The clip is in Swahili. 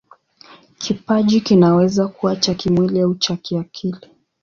Kipaji kinaweza kuwa cha kimwili au cha kiakili.